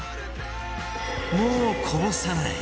もうこぼさない！